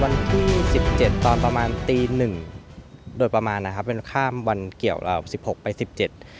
วันที่สิบเจ็ดตอนประมาณตีหนึ่งโดยประมาณนะครับเป็นข้ามวันเกี่ยวอ่าสิบหกไปสิบเจ็ด